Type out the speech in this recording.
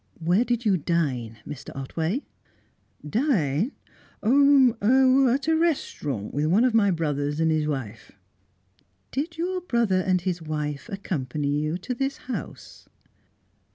"Where did you dine, Mr. Otway?" "Dine? Oh, at a restaurant, with one of my brothers and his wife." "Did your brother and his wife accompany you to this house?"